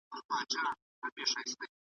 دا پوښتنه له طبیب څخه کومه .